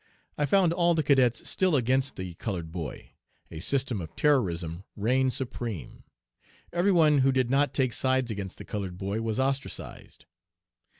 I found all the cadets still against the colored boy. A system of terrorism reigned supreme. Every one who did not take sides against the colored boy was ostracized.